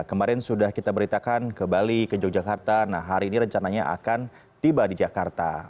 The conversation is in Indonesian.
kemarin sudah kita beritakan ke bali ke yogyakarta nah hari ini rencananya akan tiba di jakarta